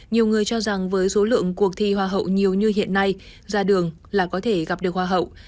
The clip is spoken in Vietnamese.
nhiều người cho rằng với số lượng cuộc thi hoa hậu nhiều như hiện nay ra đường là có thể gặp được hoa hậu